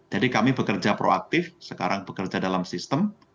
jadi kami bekerja proaktif sekarang bekerja dalam sistem